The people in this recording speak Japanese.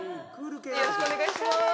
よろしくお願いします